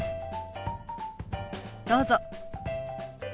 どうぞ。